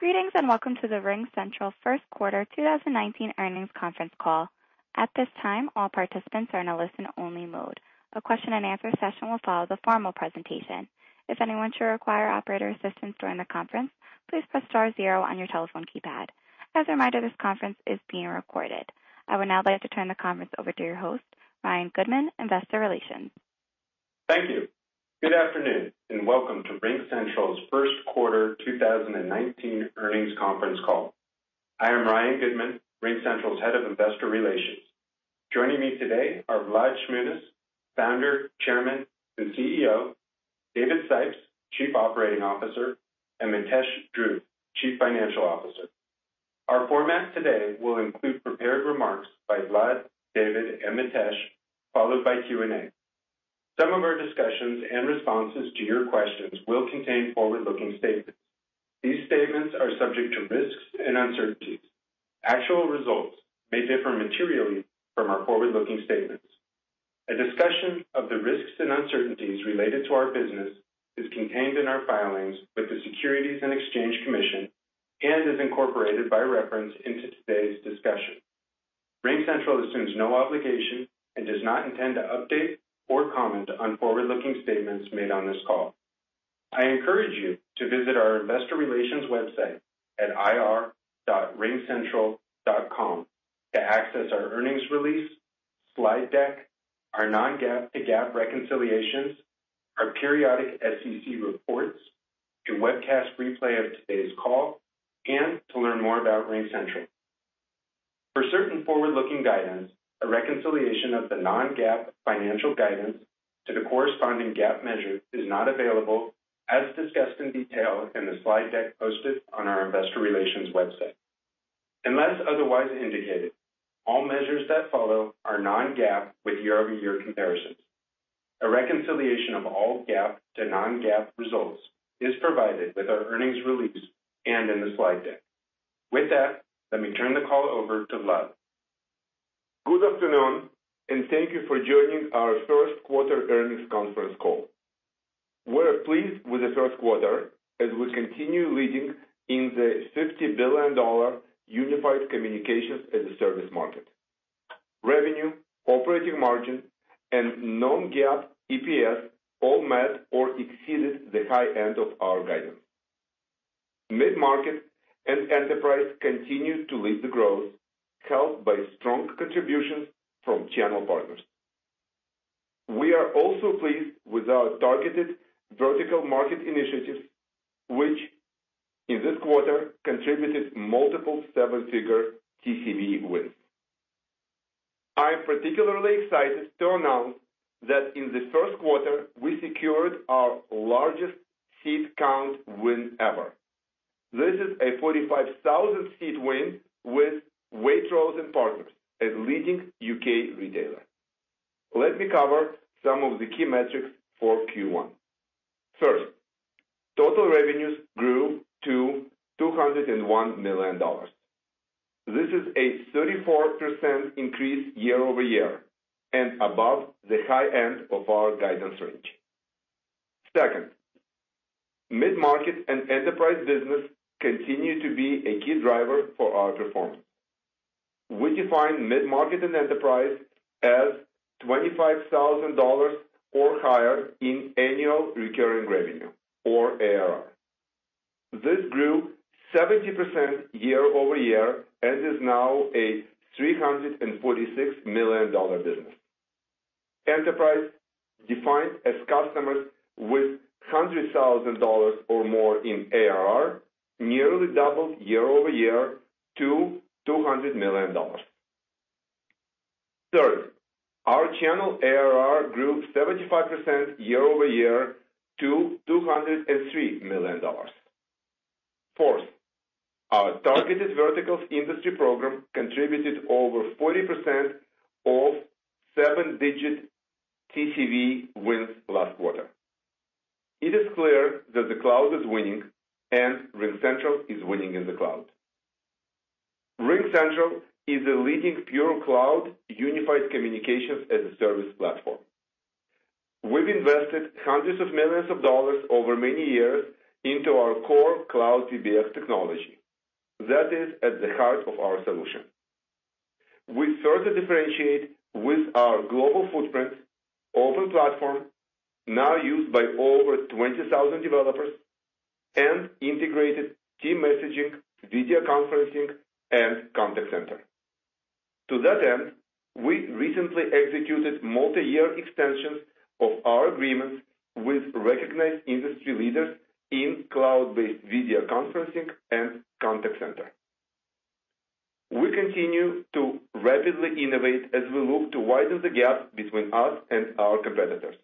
Greetings. Welcome to the RingCentral First Quarter 2019 Earnings Conference Call. At this time, all participants are in a listen-only mode. A question and answer session will follow the formal presentation. If anyone should require operator assistance during the conference, please press star zero on your telephone keypad. As a reminder, this conference is being recorded. I would now like to turn the conference over to your host, Ryan Goodman, Head of Investor Relations. Thank you. Good afternoon. Welcome to RingCentral's First Quarter 2019 Earnings Conference Call. I am Ryan Goodman, RingCentral's Head of Investor Relations. Joining me today are Vlad Shmunis, Founder, Chairman, and CEO; David Sipes, Chief Operating Officer; and Mitesh Dhruv, Chief Financial Officer. Our format today will include prepared remarks by Vlad, David, and Mitesh, followed by Q&A. Some of our discussions and responses to your questions will contain forward-looking statements. These statements are subject to risks and uncertainties. Actual results may differ materially from our forward-looking statements. A discussion of the risks and uncertainties related to our business is contained in our filings with the Securities and Exchange Commission and is incorporated by reference into today's discussion. RingCentral assumes no obligation and does not intend to update or comment on forward-looking statements made on this call. I encourage you to visit our investor relations website at ir.ringcentral.com to access our earnings release, slide deck, our non-GAAP to GAAP reconciliations, our periodic SEC reports, a webcast replay of today's call, and to learn more about RingCentral. For certain forward-looking guidance, a reconciliation of the non-GAAP financial guidance to the corresponding GAAP measure is not available, as discussed in detail in the slide deck posted on our investor relations website. Unless otherwise indicated, all measures that follow are non-GAAP with year-over-year comparisons. A reconciliation of all GAAP to non-GAAP results is provided with our earnings release and in the slide deck. With that, let me turn the call over to Vlad. Good afternoon. Thank you for joining our first quarter earnings conference call. We're pleased with the first quarter as we continue leading in the $50 billion Unified Communications as a Service market. Revenue, operating margin, and non-GAAP EPS all met or exceeded the high end of our guidance. Mid-market and enterprise continued to lead the growth, helped by strong contributions from channel partners. We are also pleased with our targeted vertical market initiatives, which in this quarter contributed multiple seven-figure TCV wins. I am particularly excited to announce that in the first quarter, we secured our largest seat count win ever. This is a 45,000-seat win with Waitrose & Partners, a leading U.K. retailer. Let me cover some of the key metrics for Q1. First, total revenues grew to $201 million. This is a 34% increase year-over-year and above the high end of our guidance range. mid-market and enterprise business continue to be a key driver for our performance. We define mid-market and enterprise as $25,000 or higher in annual recurring revenue or ARR. This grew 70% year-over-year and is now a $346 million business. Enterprise defined as customers with $100,000 or more in ARR nearly doubled year-over-year to $200 million. Our channel ARR grew 75% year-over-year to $203 million. Our targeted verticals industry program contributed over 40% of seven-digit TCV wins last quarter. It is clear that the cloud is winning, and RingCentral is winning in the cloud. RingCentral is a leading pure cloud unified communications as a service platform. We've invested hundreds of millions of dollars over many years into our core cloud PBX technology. That is at the heart of our solution. We further differentiate with our global footprint, open platform, now used by over 20,000 developers, and integrated team messaging, video conferencing, and contact center. To that end, we recently executed multi-year extensions of our agreements with recognized industry leaders in cloud-based video conferencing and contact center. We continue to rapidly innovate as we look to widen the gap between us and our competitors.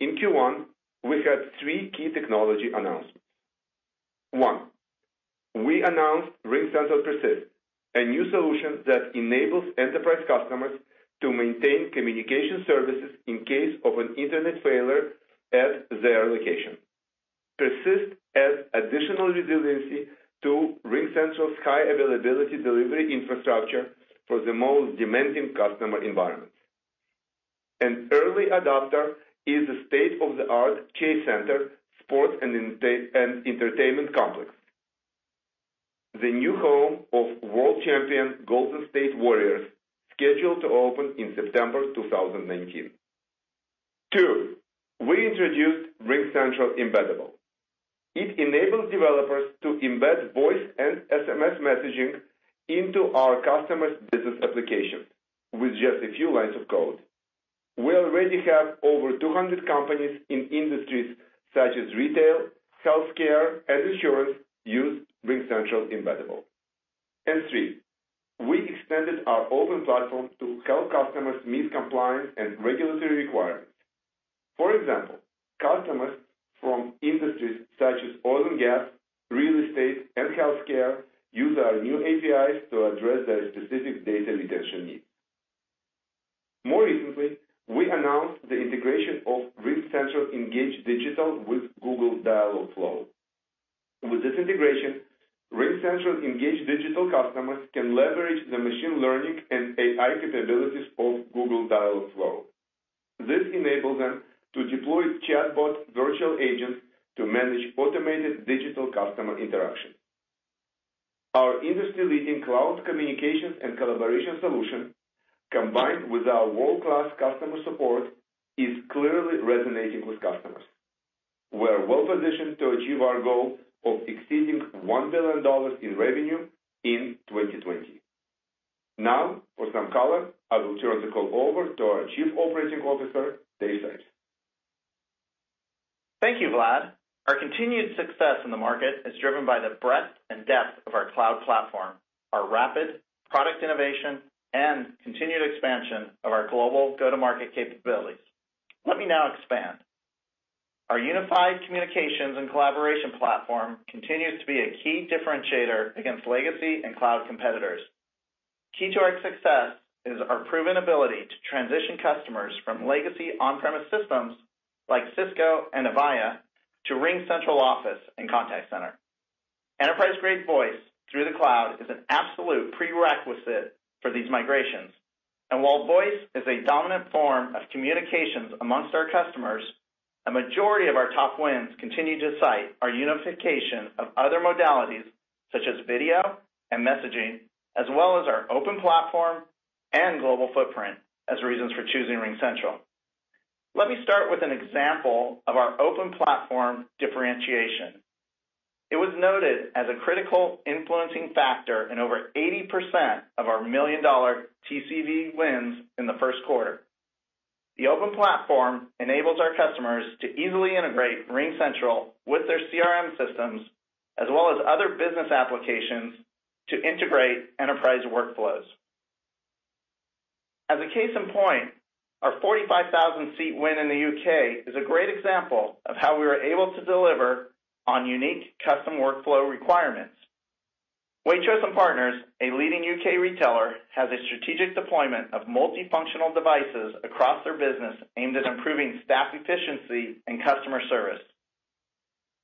In Q1, we had three key technology announcements. We announced RingCentral Persist, a new solution that enables enterprise customers to maintain communication services in case of an internet failure at their location. Persist adds additional resiliency to RingCentral's high availability delivery infrastructure for the most demanding customer environments. An early adopter is a state-of-the-art Chase Center sports and entertainment complex, the new home of world champion Golden State Warriors, scheduled to open in September 2019. We introduced RingCentral Embeddable. It enables developers to embed voice and SMS messaging into our customers' business application with just a few lines of code. We already have over 200 companies in industries such as retail, healthcare, and insurance use RingCentral Embeddable. We extended our open platform to help customers meet compliance and regulatory requirements. For example, customers from industries such as oil and gas, real estate, and healthcare use our new APIs to address their specific data retention needs. More recently, we announced the integration of RingCentral Engage Digital with Google Dialogflow. With this integration, RingCentral Engage Digital customers can leverage the machine learning and AI capabilities of Google Dialogflow. This enables them to deploy chatbot virtual agents to manage automated digital customer interaction. Our industry-leading cloud communications and collaboration solution, combined with our world-class customer support, is clearly resonating with customers. We're well-positioned to achieve our goal of exceeding $1 billion in revenue in 2020. For some color, I will turn the call over to our Chief Operating Officer, David Sipes. Thank you, Vlad. Our continued success in the market is driven by the breadth and depth of our cloud platform, our rapid product innovation, and continued expansion of our global go-to-market capabilities. Let me now expand. Our unified communications and collaboration platform continues to be a key differentiator against legacy and cloud competitors. Key to our success is our proven ability to transition customers from legacy on-premise systems like Cisco and Avaya to RingCentral Office and Contact Center. Enterprise-grade voice through the cloud is an absolute prerequisite for these migrations. While voice is a dominant form of communications amongst our customers, a majority of our top wins continue to cite our unification of other modalities such as video and messaging, as well as our open platform and global footprint as reasons for choosing RingCentral. Let me start with an example of our open platform differentiation. It was noted as a critical influencing factor in over 80% of our million-dollar TCV wins in the first quarter. The open platform enables our customers to easily integrate RingCentral with their CRM systems, as well as other business applications to integrate enterprise workflows. As a case in point, our 45,000-seat win in the U.K. is a great example of how we were able to deliver on unique custom workflow requirements. Waitrose & Partners, a leading U.K. retailer, has a strategic deployment of multifunctional devices across their business aimed at improving staff efficiency and customer service.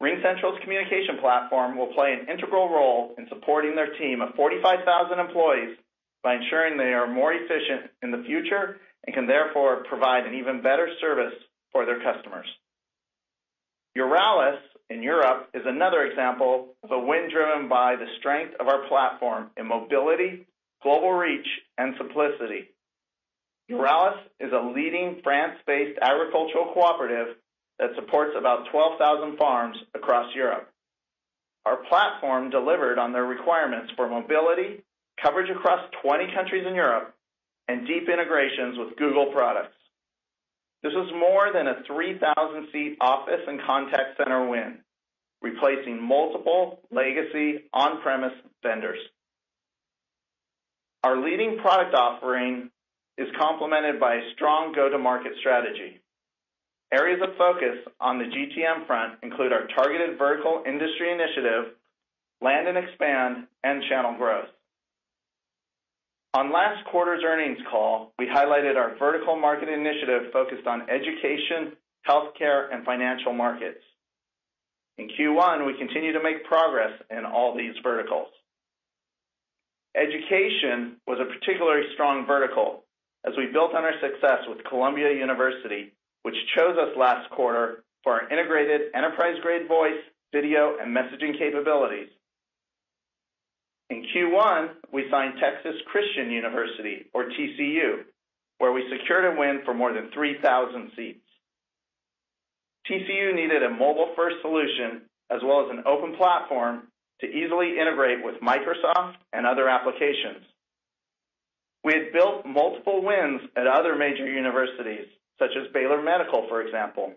RingCentral's communication platform will play an integral role in supporting their team of 45,000 employees by ensuring they are more efficient in the future and can therefore provide an even better service for their customers. Euralis in Europe is another example of a win driven by the strength of our platform in mobility, global reach, and simplicity. Euralis is a leading France-based agricultural cooperative that supports about 12,000 farms across Europe. Our platform delivered on their requirements for mobility, coverage across 20 countries in Europe, and deep integrations with Google products. This was more than a 3,000-seat office and contact center win, replacing multiple legacy on-premise vendors. Our leading product offering is complemented by a strong go-to-market strategy. Areas of focus on the GTM front include our targeted vertical industry initiative, land and expand, and channel growth. On last quarter's earnings call, we highlighted our vertical market initiative focused on education, healthcare, and financial markets. In Q1, we continued to make progress in all these verticals. Education was a particularly strong vertical as we built on our success with Columbia University, which chose us last quarter for our integrated enterprise-grade voice, video, and messaging capabilities. In Q1, we signed Texas Christian University, or TCU, where we secured a win for more than 3,000 seats. TCU needed a mobile-first solution, as well as an open platform to easily integrate with Microsoft and other applications. We had built multiple wins at other major universities, such as Baylor College of Medicine, for example.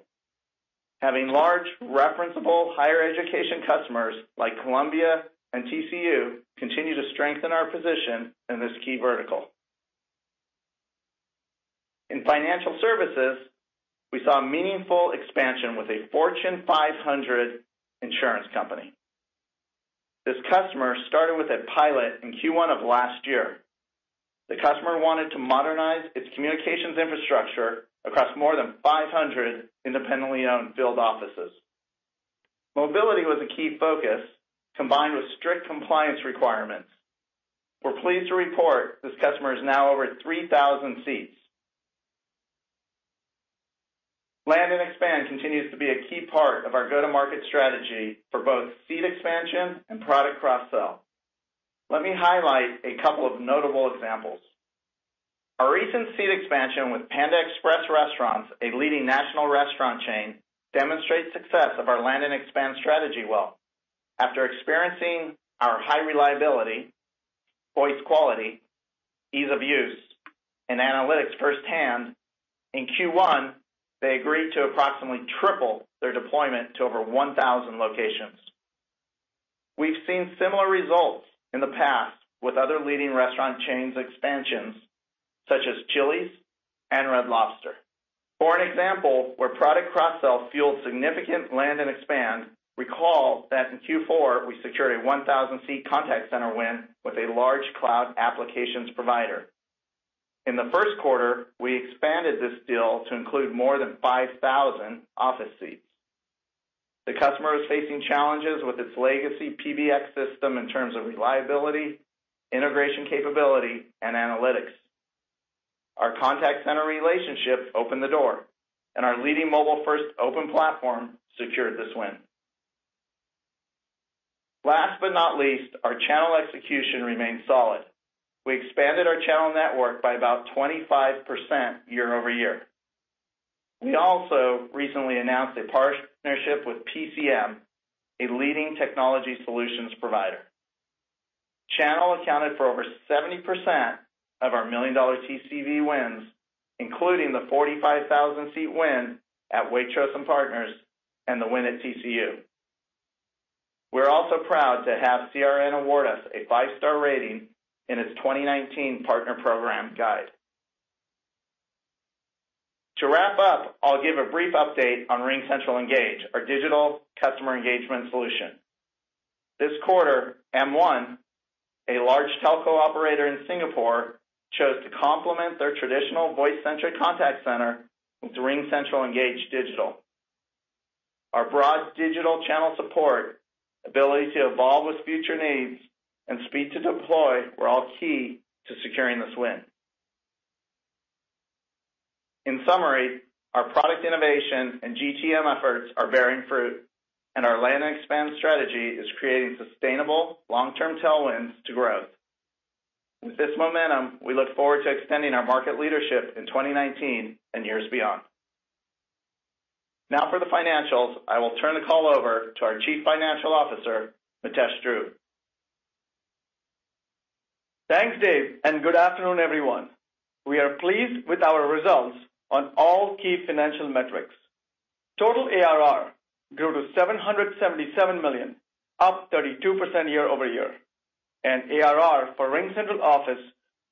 Having large, referenceable higher education customers like Columbia and TCU continue to strengthen our position in this key vertical. In financial services, we saw meaningful expansion with a Fortune 500 insurance company. This customer started with a pilot in Q1 of last year. The customer wanted to modernize its communications infrastructure across more than 500 independently-owned field offices. Mobility was a key focus combined with strict compliance requirements. We're pleased to report this customer is now over 3,000 seats. Land and expand continues to be a key part of our go-to-market strategy for both seat expansion and product cross-sell. Let me highlight a couple of notable examples. Our recent seat expansion with Panda Express Restaurants, a leading national restaurant chain, demonstrates success of our land and expand strategy well. After experiencing our high reliability, voice quality, ease of use, and analytics firsthand, in Q1, they agreed to approximately triple their deployment to over 1,000 locations. We've seen similar results in the past with other leading restaurant chains expansions, such as Chili's and Red Lobster. For an example where product cross-sell fueled significant land and expand, recall that in Q4, we secured a 1,000-seat contact center win with a large cloud applications provider. In the first quarter, we expanded this deal to include more than 5,000 Office seats. The customer is facing challenges with its legacy PBX system in terms of reliability, integration capability, and analytics. Our contact center relationships opened the door, and our leading mobile-first open platform secured this win. Last but not least, our channel execution remains solid. We expanded our channel network by about 25% year-over-year. We also recently announced a partnership with PCM, a leading technology solutions provider. Channel accounted for over 70% of our million-dollar TCV wins, including the 45,000-seat win at Waitrose & Partners, and the win at TCU. We're also proud to have CRN award us a 5-star rating in its 2019 Partner Program Guide. To wrap up, I'll give a brief update on RingCentral Engage, our digital customer engagement solution. This quarter, M1, a large telco operator in Singapore, chose to complement their traditional voice-centric contact center with RingCentral Engage Digital. Our broad digital channel support, ability to evolve with future needs, and speed to deploy were all key to securing this win. In summary, our product innovation and GTM efforts are bearing fruit, and our land and expand strategy is creating sustainable long-term tailwinds to growth. With this momentum, we look forward to extending our market leadership in 2019 and years beyond. Now for the financials, I will turn the call over to our Chief Financial Officer, Mitesh Dhruv. Thanks, Dave, and good afternoon, everyone. We are pleased with our results on all key financial metrics. Total ARR grew to $777 million, up 32% year-over-year, and ARR for RingCentral Office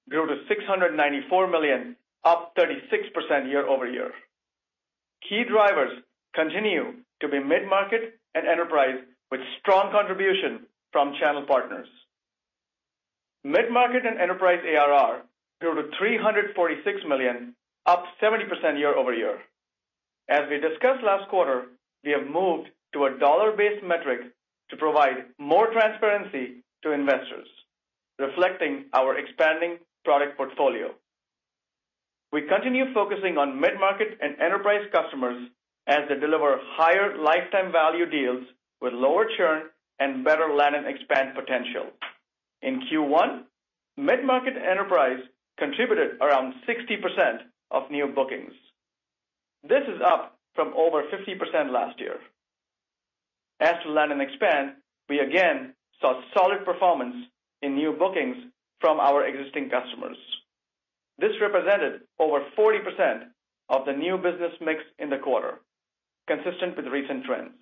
grew to $694 million, up 36% year-over-year. Key drivers continue to be mid-market and enterprise with strong contribution from channel partners. Mid-market and enterprise ARR grew to $346 million, up 70% year-over-year. As we discussed last quarter, we have moved to a dollar-based metric to provide more transparency to investors, reflecting our expanding product portfolio. We continue focusing on mid-market and enterprise customers as they deliver higher lifetime value deals with lower churn and better land and expand potential. In Q1, mid-market enterprise contributed around 60% of new bookings. This is up from over 50% last year. As to land and expand, we again saw solid performance in new bookings from our existing customers. This represented over 40% of the new business mix in the quarter, consistent with recent trends.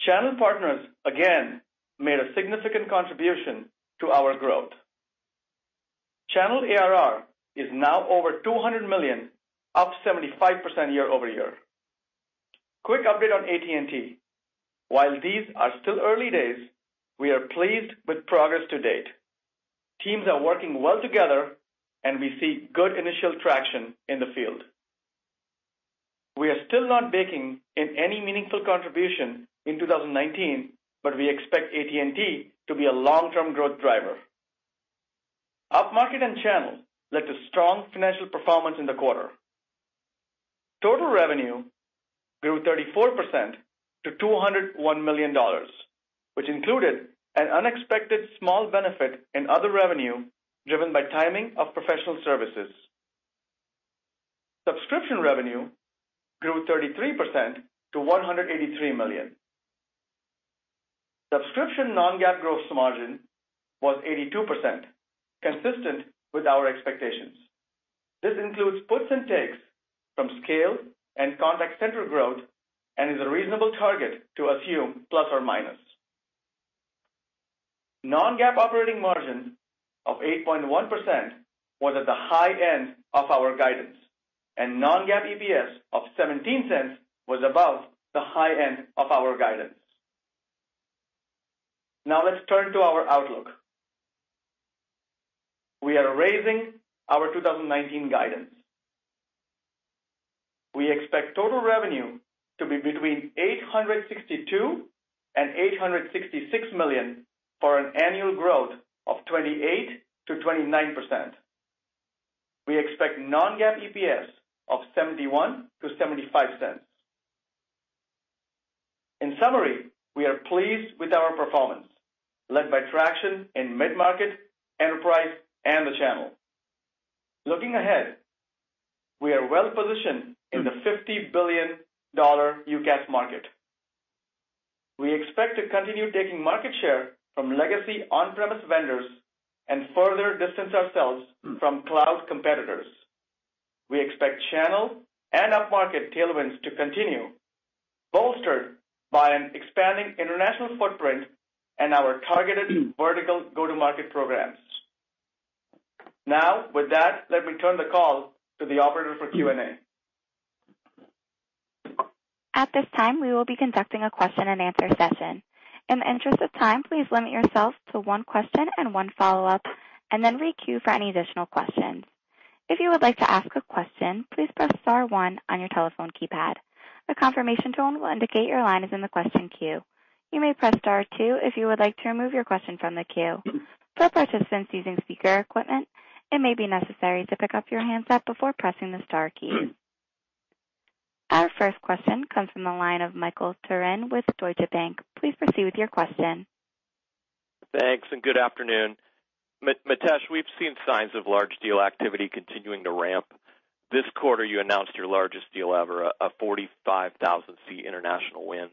Channel partners again made a significant contribution to our growth. Channel ARR is now over $200 million, up 75% year-over-year. Quick update on AT&T. While these are still early days, we are pleased with progress to date. Teams are working well together, and we see good initial traction in the field. We are still not baking in any meaningful contribution in 2019, but we expect AT&T to be a long-term growth driver. Upmarket and channel led to strong financial performance in the quarter. Total revenue grew 34% to $201 million, which included an unexpected small benefit in other revenue, driven by timing of professional services. Subscription revenue grew 33% to $183 million. Subscription non-GAAP gross margin was 82%, consistent with our expectations. This includes puts and takes from scale and contact center growth and is a reasonable target to assume ±. Non-GAAP operating margin of 8.1% was at the high end of our guidance, and non-GAAP EPS of $0.17 was above the high end of our guidance. Let's turn to our outlook. We are raising our 2019 guidance. We expect total revenue to be between $862 million and $866 million for an annual growth of 28%-29%. We expect non-GAAP EPS of $0.71-$0.75. In summary, we are pleased with our performance, led by traction in mid-market, enterprise, and the channel. Looking ahead, we are well positioned in the $50 billion UCaaS market. We expect to continue taking market share from legacy on-premise vendors and further distance ourselves from cloud competitors. We expect channel and upmarket tailwinds to continue, bolstered by an expanding international footprint and our targeted vertical go-to-market programs. With that, let me turn the call to the operator for Q&A. At this time, we will be conducting a question and answer session. In the interest of time, please limit yourself to one question and one follow-up, and then re-queue for any additional questions. If you would like to ask a question, please press star 1 on your telephone keypad. A confirmation tone will indicate your line is in the question queue. You may press star 2 if you would like to remove your question from the queue. For participants using speaker equipment, it may be necessary to pick up your handset before pressing the star key. Our first question comes from the line of Michael Turrin with Deutsche Bank. Please proceed with your question. Thanks and good afternoon. Mitesh, we've seen signs of large deal activity continuing to ramp. This quarter, you announced your largest deal ever, a 45,000-seat international win.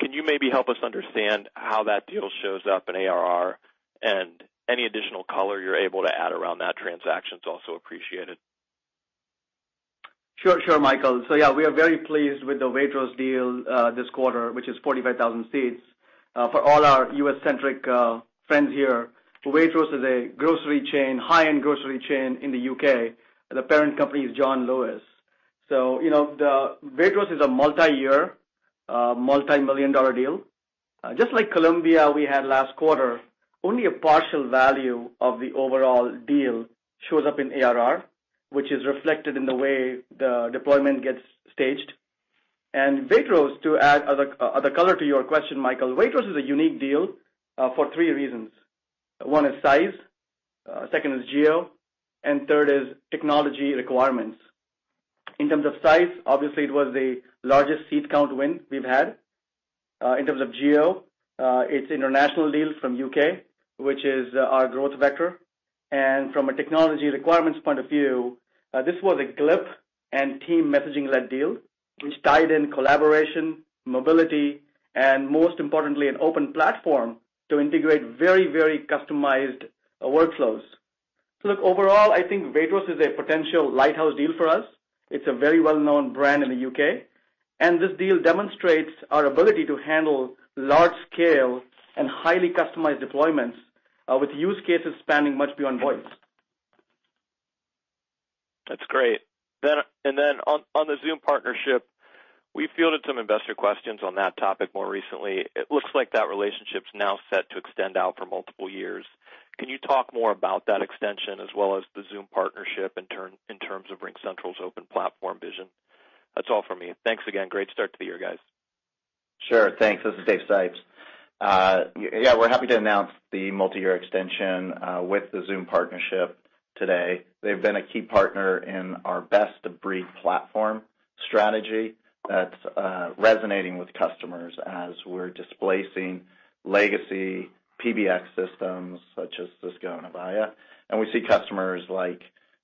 Can you maybe help us understand how that deal shows up in ARR and any additional color you're able to add around that transaction is also appreciated. Sure, Michael. Yeah, we are very pleased with the Waitrose deal, this quarter, which is 45,000 seats. For all our U.S.-centric friends here, Waitrose is a high-end grocery chain in the U.K., and the parent company is John Lewis. Waitrose is a multi-year, multi-million dollar deal. Just like Columbia we had last quarter, only a partial value of the overall deal shows up in ARR, which is reflected in the way the deployment gets staged. Waitrose, to add other color to your question, Michael, Waitrose is a unique deal for three reasons. One is size, second is geo, and third is technology requirements. In terms of size, obviously it was the largest seat count win we've had. In terms of geo, it's international deal from U.K., which is our growth vector. From a technology requirements point of view, this was a Glip and team messaging-led deal, which tied in collaboration, mobility, and most importantly, an open platform to integrate very customized workflows. Look, overall, I think Waitrose is a potential lighthouse deal for us. It's a very well-known brand in the U.K., and this deal demonstrates our ability to handle large scale and highly customized deployments, with use cases spanning much beyond voice. That's great. On the Zoom partnership, we fielded some investor questions on that topic more recently. It looks like that relationship's now set to extend out for multiple years. Can you talk more about that extension as well as the Zoom partnership in terms of RingCentral's open platform vision? That's all from me. Thanks again. Great start to the year, guys. Sure. Thanks. This is David Sipes. We're happy to announce the multi-year extension with the Zoom partnership today. They've been a key partner in our best-of-breed platform strategy that's resonating with customers as we're displacing legacy PBX systems such as Cisco and Avaya. We see customers like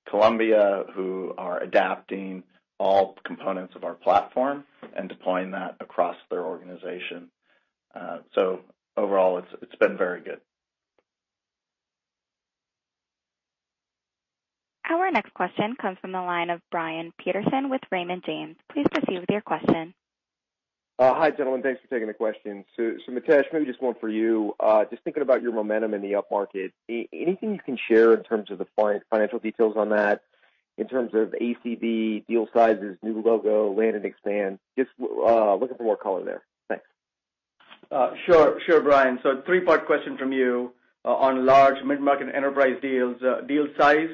Columbia who are adapting all components of our platform and deploying that across their organization. Overall, it's been very good. Our next question comes from the line of Brian Peterson with Raymond James. Please proceed with your question. Hi, gentlemen. Thanks for taking the question. Mitesh, maybe just one for you. Just thinking about your momentum in the upmarket, anything you can share in terms of the financial details on that, in terms of ACV, deal sizes, new logo, land and expand? Just looking for more color there. Thanks. Sure, Brian. Three-part question from you on large mid-market enterprise deals, deal size,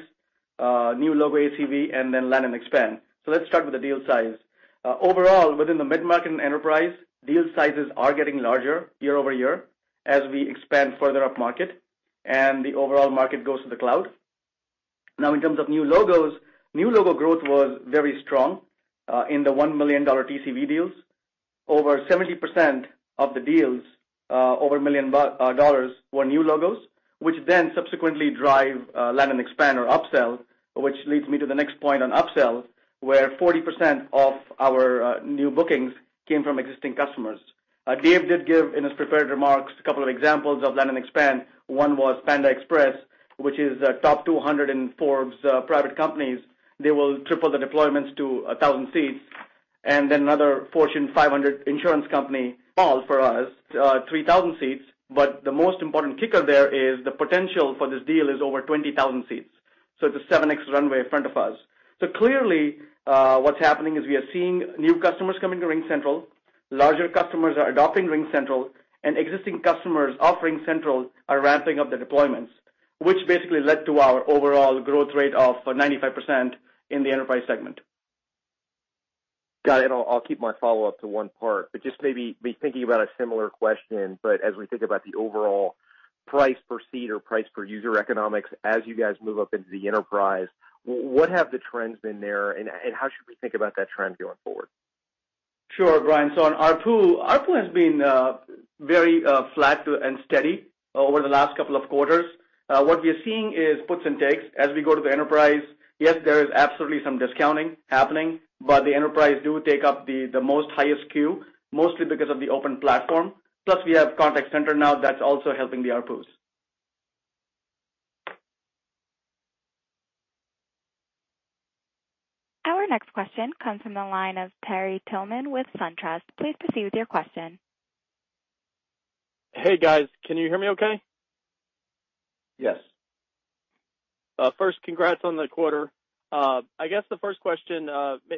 new logo ACV, and land and expand. Let's start with the deal size. Overall, within the mid-market and enterprise, deal sizes are getting larger year over year as we expand further upmarket and the overall market goes to the cloud. In terms of new logos, new logo growth was very strong in the $1 million TCV deals. Over 70% of the deals over $1 million were new logos, which subsequently drive land and expand or upsell, which leads me to the next point on upsell, where 40% of our new bookings came from existing customers. David did give, in his prepared remarks, a couple of examples of land and expand. One was Panda Express, which is a top 200 in Forbes private companies. They will triple the deployments to 1,000 seats. Another Fortune 500 insurance company, all for us, 3,000 seats. The most important kicker there is the potential for this deal is over 20,000 seats. It's a 7x runway in front of us. Clearly, what's happening is we are seeing new customers coming to RingCentral, larger customers are adopting RingCentral, and existing customers of RingCentral are ramping up their deployments, which basically led to our overall growth rate of 95% in the enterprise segment. Got it. I'll keep my follow-up to one part, just maybe be thinking about a similar question. As we think about the overall price per seat or price per user economics, as you guys move up into the enterprise, what have the trends been there and how should we think about that trend going forward? Sure, Brian. On ARPU has been very flat and steady over the last couple of quarters. What we are seeing is puts and takes as we go to the enterprise. Yes, there is absolutely some discounting happening, the enterprise do take up the most highest SKU, mostly because of the open platform. Plus, we have contact center now that's also helping the ARPUs. Our next question comes from the line of Terry Tillman with SunTrust. Please proceed with your question. Hey, guys, can you hear me okay? Yes. First, congrats on the quarter. I guess the first question,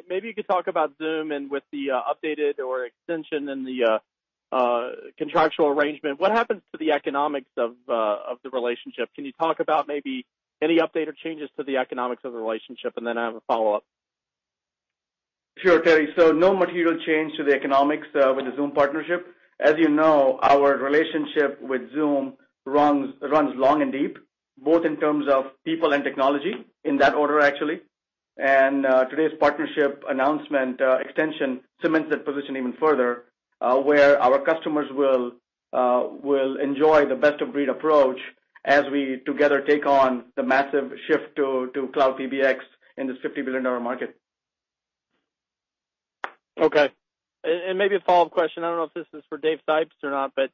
maybe you could talk about Zoom and with the updated or extension and the contractual arrangement, what happens to the economics of the relationship? Can you talk about maybe any update or changes to the economics of the relationship? Then I have a follow-up. Sure, Terry. No material change to the economics with the Zoom partnership. As you know, our relationship with Zoom runs long and deep, both in terms of people and technology, in that order, actually. Today's partnership announcement extension cements that position even further, where our customers will enjoy the best of breed approach as we together take on the massive shift to cloud PBX in this $50 billion market. Okay. Maybe a follow-up question. I don't know if this is for David Sipes or not, but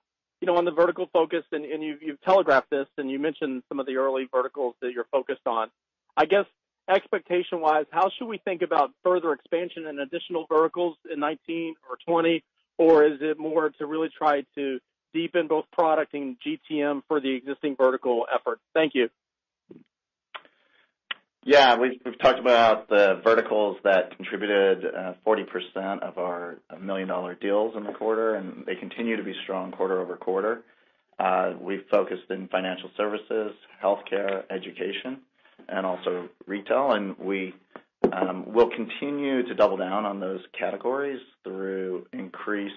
on the vertical focus, and you've telegraphed this, and you mentioned some of the early verticals that you're focused on. I guess expectation-wise, how should we think about further expansion in additional verticals in 2019 or 2020? Is it more to really try to deepen both product and GTM for the existing vertical effort? Thank you. Yeah, we've talked about the verticals that contributed 40% of our million-dollar deals in the quarter, and they continue to be strong quarter-over-quarter. We've focused in financial services, healthcare, education, and also retail, and we will continue to double down on those categories through increased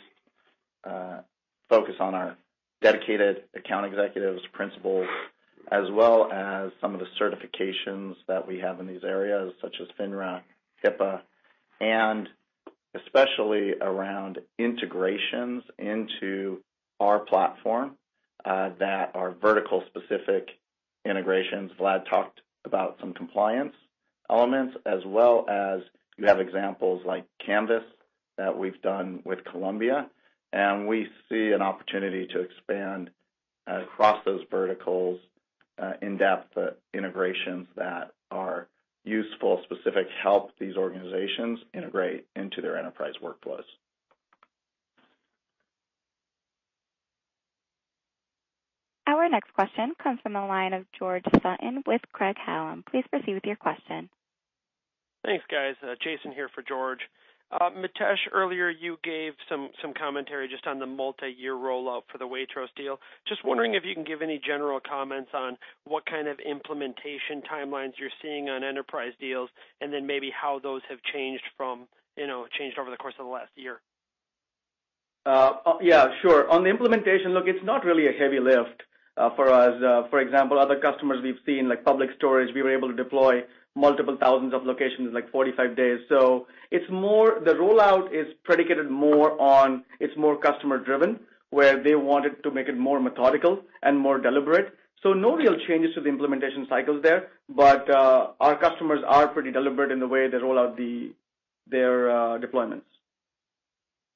focus on our dedicated account executives, principals, as well as some of the certifications that we have in these areas, such as FINRA, HIPAA, and especially around integrations into our platform that are vertical-specific integrations. Vlad talked about some compliance elements as well as you have examples like Canvas that we've done with Columbia, and we see an opportunity to expand across those verticals in-depth integrations that are useful, specific help these organizations integrate into their enterprise workflows. Our next question comes from the line of George Sutton with Craig-Hallum. Please proceed with your question. Thanks, guys. Jason here for George. Mitesh, earlier you gave some commentary just on the multi-year rollout for the Waitrose deal. Just wondering if you can give any general comments on what kind of implementation timelines you're seeing on enterprise deals and then maybe how those have changed over the course of the last year. Yeah, sure. On the implementation, look, it's not really a heavy lift for us. For example, other customers we've seen, like Public Storage, we were able to deploy multiple thousands of locations in 45 days. The rollout is predicated more on it's more customer driven, where they wanted to make it more methodical and more deliberate. No real changes to the implementation cycles there, but our customers are pretty deliberate in the way they roll out their deployments.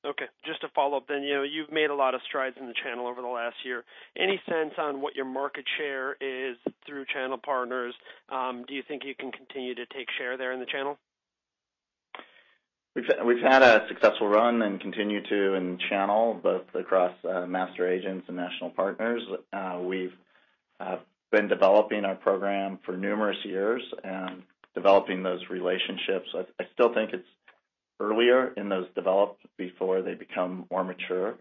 Okay. Just a follow-up. You've made a lot of strides in the channel over the last year. Any sense on what your market share is through channel partners? Do you think you can continue to take share there in the channel? We've had a successful run and continue to in channel, both across master agents and national partners. We've been developing our program for numerous years and developing those relationships. I still think it's earlier in those developed before they become more mature.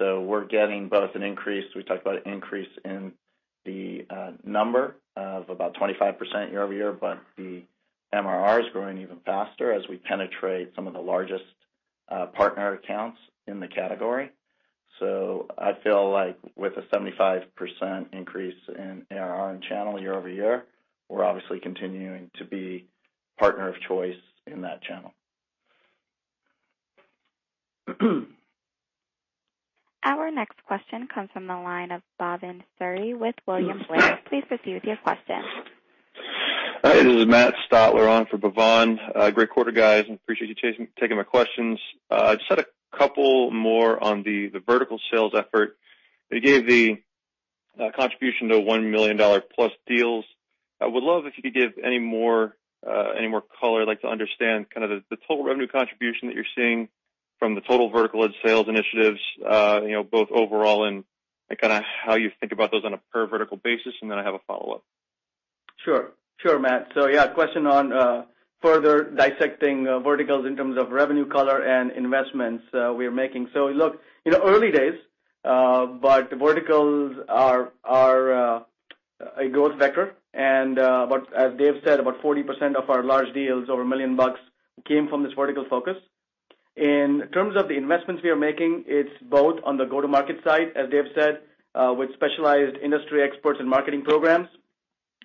We're getting both an increase, we talked about an increase in the number of about 25% year-over-year, but the MRR is growing even faster as we penetrate some of the largest partner accounts in the category. I feel like with a 75% increase in ARR in channel year-over-year, we're obviously continuing to be partner of choice in that channel. Our next question comes from the line of Bhavan Suri with William Blair. Please proceed with your question. Hi, this is Matt Stotler on for Bhavan. Great quarter, guys. I appreciate you taking my questions. Just had a couple more on the vertical sales effort. You gave the contribution to $1 million plus deals. I would love if you could give any more color. I'd like to understand kind of the total revenue contribution that you're seeing from the total vertical and sales initiatives, both overall and how you think about those on a per vertical basis. I have a follow-up. Sure, Matt. Question on further dissecting verticals in terms of revenue color and investments we are making. Early days, but verticals are a growth vector. As Dave said, about 40% of our large deals over $1 million came from this vertical focus. In terms of the investments we are making, it's both on the go-to-market side, as Dave said, with specialized industry experts and marketing programs,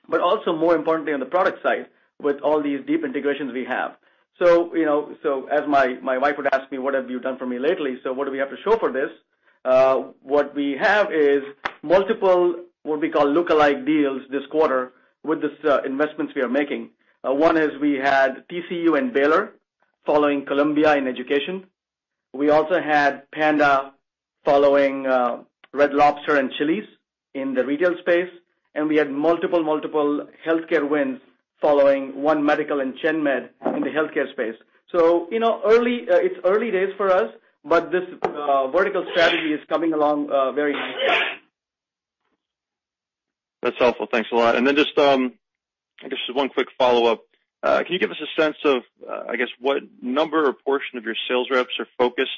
but also more importantly, on the product side with all these deep integrations we have. As my wife would ask me, "What have you done for me lately?" What do we have to show for this? What we have is multiple, what we call lookalike deals this quarter with these investments we are making. One is we had TCU and Baylor following Columbia in education. We also had Panda following Red Lobster and Chili's in the retail space, and we had multiple healthcare wins following One Medical and Genmed in the healthcare space. It's early days for us, but this vertical strategy is coming along very nicely. That's helpful. Thanks a lot. One quick follow-up. Can you give us a sense of what number or portion of your sales reps are focused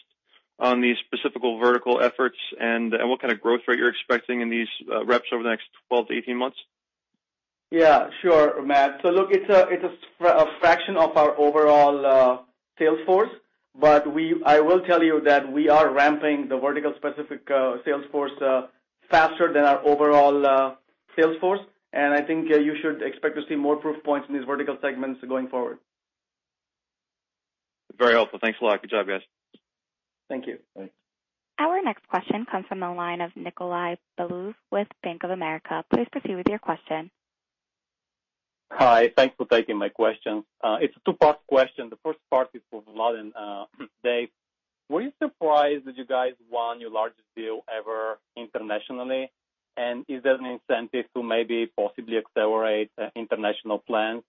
on these specific vertical efforts and what kind of growth rate you're expecting in these reps over the next 12-18 months? Yeah, sure, Matt. It's a fraction of our overall sales force. I will tell you that we are ramping the vertical specific sales force faster than our overall sales force. I think you should expect to see more proof points in these vertical segments going forward. Very helpful. Thanks a lot. Good job, guys. Thank you. Thanks. Our next question comes from the line of Nikolay Beliov with Bank of America. Please proceed with your question. Hi. Thanks for taking my question. It's a two-part question. The first part is for Vlad and Dave. Were you surprised that you guys won your largest deal ever internationally? Is that an incentive to maybe possibly accelerate international plans?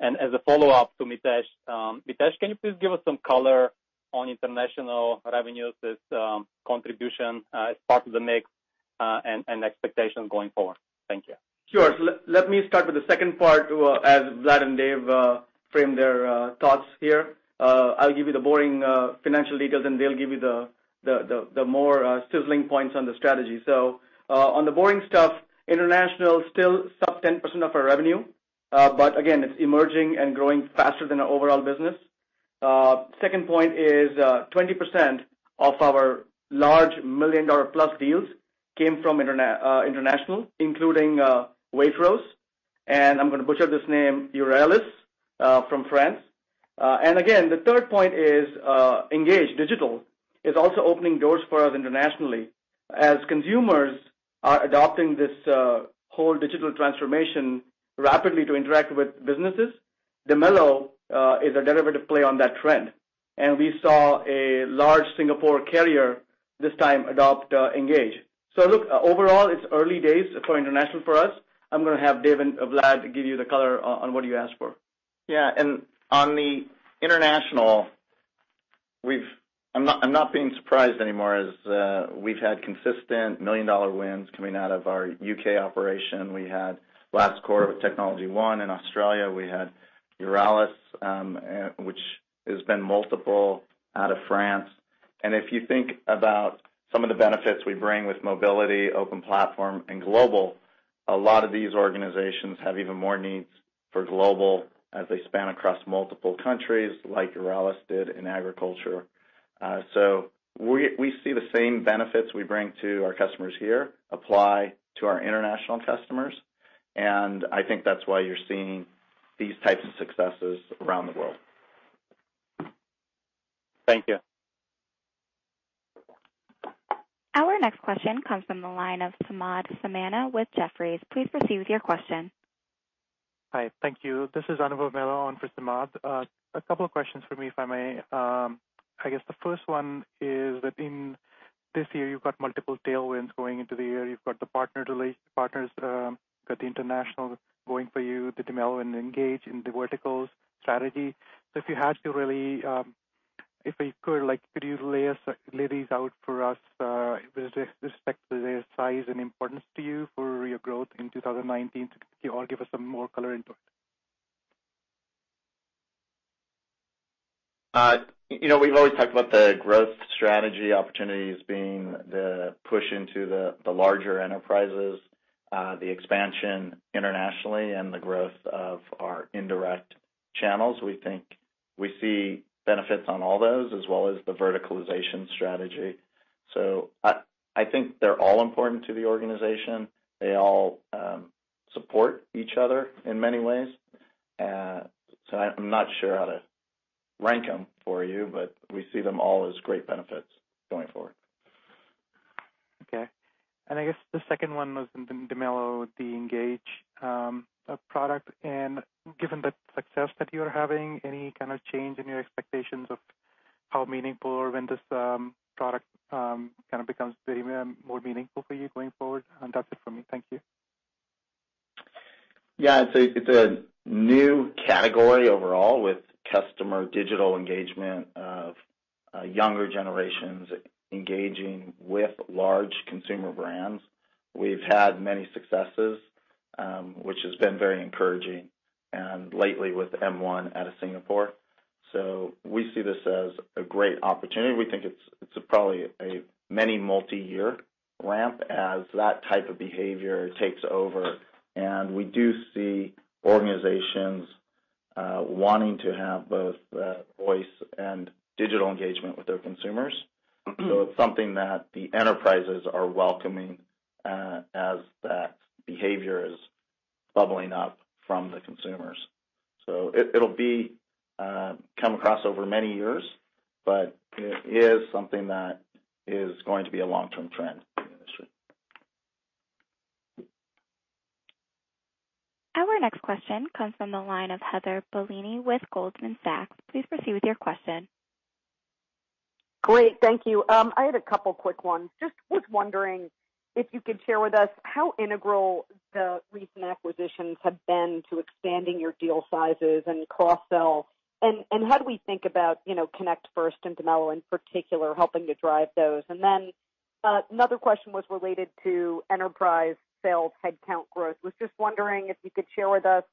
As a follow-up to Mitesh. Mitesh, can you please give us some color on international revenues, its contribution as part of the mix, and expectations going forward? Thank you. Let me start with the second part as Vlad and Dave frame their thoughts here. I'll give you the boring financial details, and they'll give you the more sizzling points on the strategy. On the boring stuff, international still sub 10% of our revenue. Again, it's emerging and growing faster than our overall business. Second point is 20% of our large million-dollar plus deals came from international, including Waitrose, and I'm going to butcher this name, Euralis, from France. Again, Engage Digital is also opening doors for us internationally as consumers are adopting this whole digital transformation rapidly to interact with businesses. Dimelo is a derivative play on that trend. We saw a large Singapore carrier this time adopt Engage. Look, overall, it's early days for international for us. I'm going to have Dave and Vlad give you the color on what you asked for. Yeah. On the international, I'm not being surprised anymore as we've had consistent million-dollar wins coming out of our U.K. operation. We had last quarter with TechnologyOne in Australia. We had Euralis, which has been multiple out of France. If you think about some of the benefits we bring with mobility, open platform, and global, a lot of these organizations have even more needs for global as they span across multiple countries like Euralis did in agriculture. We see the same benefits we bring to our customers here apply to our international customers. I think that's why you're seeing these types of successes around the world. Thank you. Our next question comes from the line of Samad Samana with Jefferies. Please proceed with your question. Hi. Thank you. This is Anavo Mello on for Samad. A couple of questions for me, if I may. I guess the first one is that in this year, you've got multiple tailwinds going into the year. You've got the partners, got the international going for you, the Dimelo and Engage and the verticals strategy. If you had to really, if you could you lay these out for us with respect to their size and importance to you for your growth in 2019? Or give us some more color into it. We've always talked about the growth strategy opportunities being the push into the larger enterprises, the expansion internationally, and the growth of our indirect channels. We think we see benefits on all those as well as the verticalization strategy. I think they're all important to the organization. They all support each other in many ways. I'm not sure how to rank them for you, but we see them all as great benefits going forward. Okay. I guess the second one was in Dimelo, the Engage product. Given the success that you're having, any kind of change in your expectations of how meaningful or when this product kind of becomes very more meaningful for you going forward? That's it for me. Thank you. Yeah, it's a new category overall with customer digital engagement of younger generations engaging with large consumer brands. We've had many successes, which has been very encouraging, and lately with M1 out of Singapore. We see this as a great opportunity. We think it's probably a many multi-year ramp as that type of behavior takes over, and we do see organizations wanting to have both voice and digital engagement with their consumers. It's something that the enterprises are welcoming as that behavior is bubbling up from the consumers. It'll come across over many years, but it is something that is going to be a long-term trend in the industry. Our next question comes from the line of Heather Bellini with Goldman Sachs. Please proceed with your question. Great. Thank you. I have a couple quick ones. Just was wondering if you could share with us how integral the recent acquisitions have been to expanding your deal sizes and cross-sell, and how do we think about ConnectFirst and Dimelo in particular, helping to drive those? Another question was related to enterprise sales headcount growth. Was just wondering if you could share with us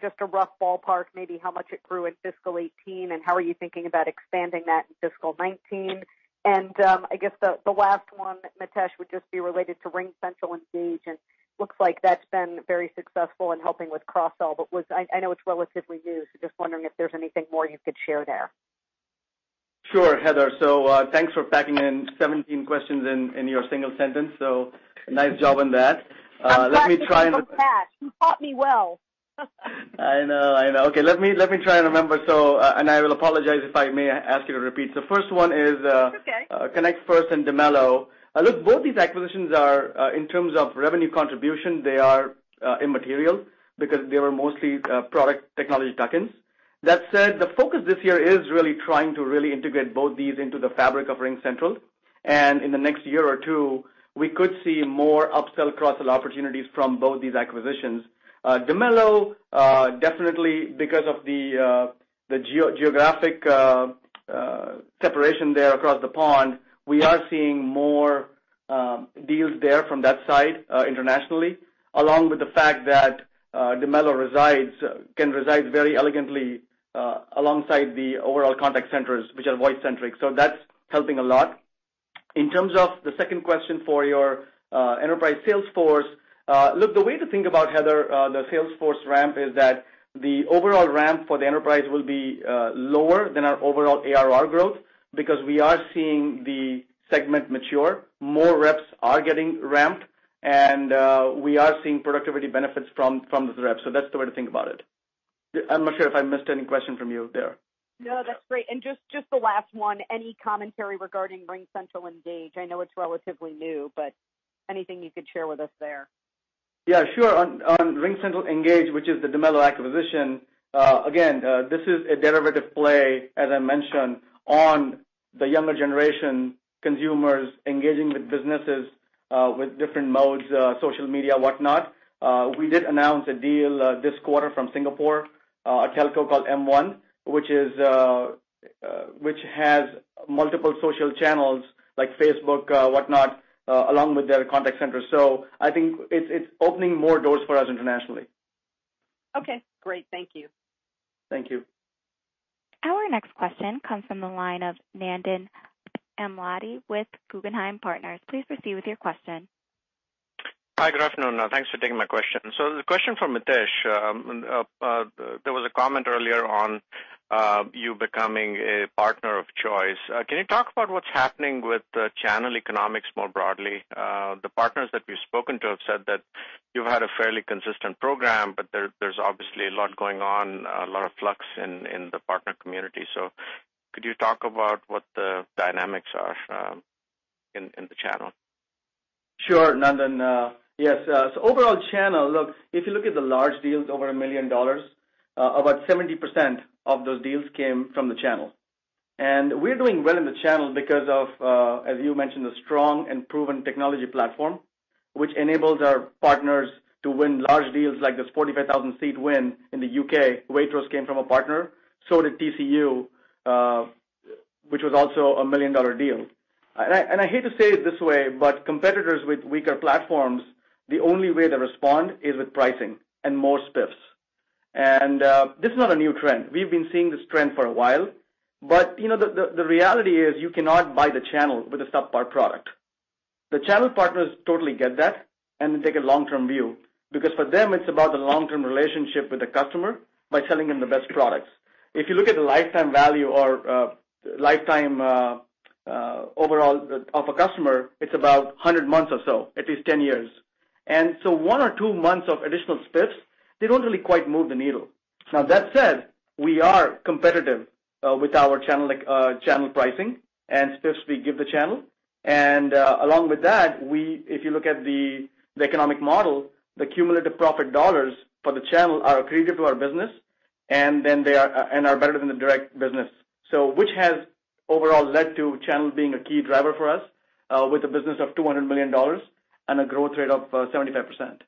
just a rough ballpark, maybe how much it grew in fiscal 2018, and how are you thinking about expanding that in fiscal 2019? I guess the last one, Mitesh, would just be related to RingCentral Engage, and looks like that's been very successful in helping with cross-sell, but I know it's relatively new, so just wondering if there's anything more you could share there. Sure, Heather. Thanks for packing in 17 questions in your single sentence. Nice job on that. Let me try and- I'm glad to be fast. You taught me well. I know. Okay, let me try and remember. I will apologize if I may ask you to repeat. First one is- It's okay Connect First and Dimelo. Look, both these acquisitions are, in terms of revenue contribution, they are immaterial because they were mostly product technology tuck-ins. That said, the focus this year is really trying to really integrate both these into the fabric of RingCentral. In the next year or two, we could see more up-sell, cross-sell opportunities from both these acquisitions. Dimelo, definitely because of the geographic separation there across the pond, we are seeing more deals there from that side internationally, along with the fact that Dimelo can reside very elegantly alongside the overall contact centers, which are voice centric. That's helping a lot. In terms of the second question for your enterprise sales force. Look, the way to think about, Heather, the sales force ramp is that the overall ramp for the enterprise will be lower than our overall ARR growth because we are seeing the segment mature. More reps are getting ramped. We are seeing productivity benefits from the reps. That's the way to think about it. I'm not sure if I missed any question from you there. No, that's great. Just the last one, any commentary regarding RingCentral Engage? I know it's relatively new, but anything you could share with us there? Yeah, sure. On RingCentral Engage, which is the Dimelo acquisition, again, this is a derivative play, as I mentioned, on the younger generation consumers engaging with businesses, with different modes, social media, whatnot. We did announce a deal this quarter from Singapore, a telco called M1 which has multiple social channels like Facebook, whatnot, along with their contact center. I think it's opening more doors for us internationally. Okay, great. Thank you. Thank you. Our next question comes from the line of Nandan Amladi with Guggenheim Partners. Please proceed with your question. Hi, good afternoon. Thanks for taking my question. The question for Mitesh. There was a comment earlier on you becoming a partner of choice. Can you talk about what's happening with the channel economics more broadly? The partners that we've spoken to have said that you've had a fairly consistent program, there's obviously a lot going on, a lot of flux in the partner community. Could you talk about what the dynamics are in the channel? Sure, Nandan. Yes. Overall channel, look, if you look at the large deals over $1 million, about 70% of those deals came from the channel. We're doing well in the channel because of, as you mentioned, a strong and proven technology platform, which enables our partners to win large deals like this 45,000 seat win in the U.K. Waitrose came from a partner. Did TCU, which was also a $1 million deal. I hate to say it this way, competitors with weaker platforms, the only way they respond is with pricing and more spiffs. This is not a new trend. We've been seeing this trend for a while. The reality is you cannot buy the channel with a subpar product. The channel partners totally get that. They take a long-term view, because for them, it's about the long-term relationship with the customer by selling them the best products. If you look at the lifetime value or lifetime overall of a customer, it's about 100 months or so. It is 10 years. One or two months of additional spiffs, they don't really quite move the needle. Now, that said, we are competitive with our channel pricing and spiffs we give the channel. Along with that, if you look at the economic model, the cumulative profit dollars for the channel are accretive to our business They are better than the direct business. Which has overall led to channel being a key driver for us with a business of $200 million and a growth rate of 75%.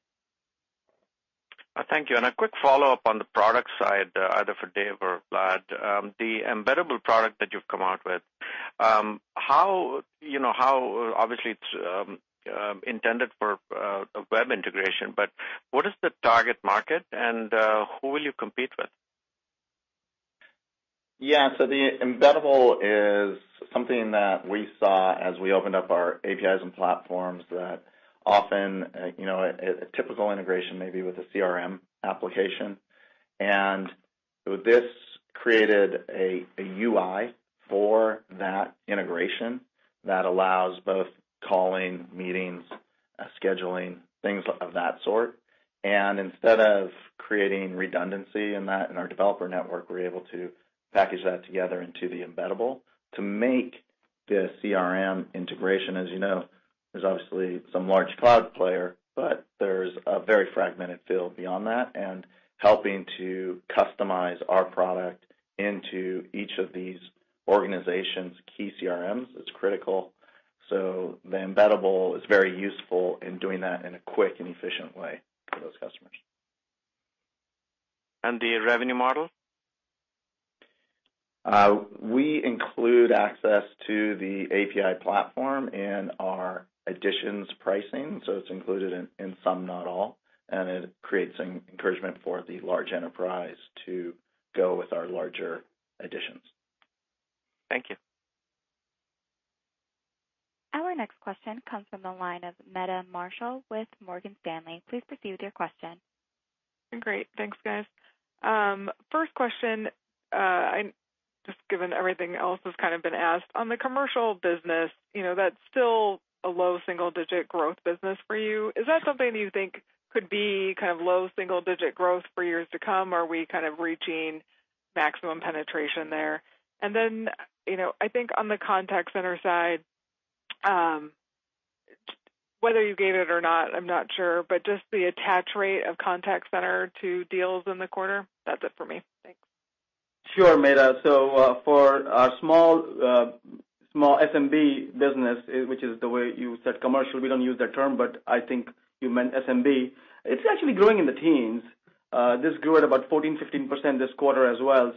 Thank you. A quick follow-up on the product side, either for Dave or Vlad. The RingCentral Embeddable product that you've come out with, obviously, it's intended for web integration, but what is the target market and who will you compete with? Yeah. The RingCentral Embeddable is something that we saw as we opened up our APIs and platforms that often, a typical integration maybe with a CRM application. This created a UI for that integration that allows both calling, meetings, scheduling, things of that sort. Instead of creating redundancy in that, in our developer network, we're able to package that together into the RingCentral Embeddable to make the CRM integration. As you know, there's obviously some large cloud player, but there's a very fragmented field beyond that, and helping to customize our product into each of these organizations' key CRMs is critical. The RingCentral Embeddable is very useful in doing that in a quick and efficient way for those customers. The revenue model? We include access to the API platform in our editions pricing. It's included in some, not all. It creates encouragement for the large enterprise to go with our larger additions. Thank you. Our next question comes from the line of Meta Marshall with Morgan Stanley. Please proceed with your question. Great. Thanks, guys. First question, just given everything else has kind of been asked. On the commercial business, that's still a low single-digit growth business for you. Is that something that you think could be low single-digit growth for years to come? Are we kind of reaching maximum penetration there? I think on the contact center side, whether you gave it or not, I'm not sure, but just the attach rate of contact center to deals in the quarter. That's it for me. Thanks. Sure, Meta. For our small SMB business, which is the way you said commercial, we don't use that term, but I think you meant SMB. It's actually growing in the teens. This grew at about 14%, 15% this quarter as well.